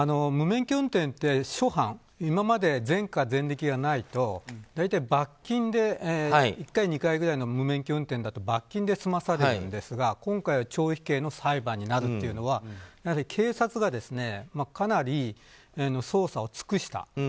無免許運転って初犯今まで前科、前歴がないと大体、罰金で１回２回ぐらいの無免許運転だと罰金で済まされるんですが今回は懲役刑の裁判になるというのは警察がかなり捜査を尽くした。